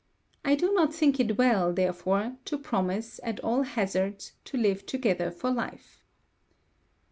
I do not think it well, therefore, to promise, at all hazards, to live together for life.